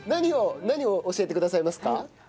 何を教えてくださいますか？